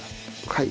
はい。